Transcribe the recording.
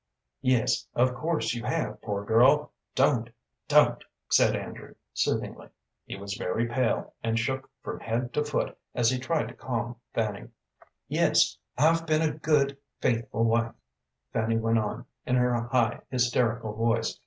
"Yes, of course you have, poor girl! Don't, don't!" said Andrew, soothingly. He was very pale, and shook from head to foot as he tried to calm Fanny. "Yes, I've been a good, faithful wife," Fanny went on, in her high, hysterical voice.